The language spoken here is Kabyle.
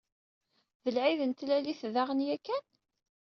D lɛid n Tlalit daɣen yakan?